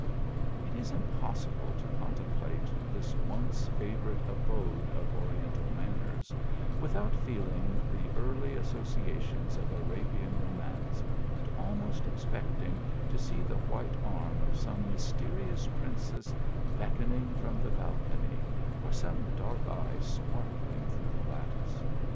it is impossible to contemplate this once favourite abode of Oriental manners, without feeling the early associations of Arabian romance, and almost ex pecting to see the white arm of some mysterious princess beckoning from the balcony, or some dark eye sparkling through the km ice.